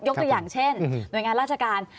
ตัวอย่างเช่นหน่วยงานราชการ